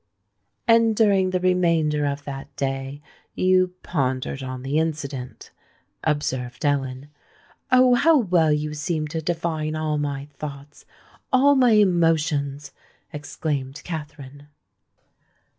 "And during the remainder of that day you pondered on the incident," observed Ellen. "Oh! how well you seem to divine all my thoughts—all my emotions!" exclaimed Katherine.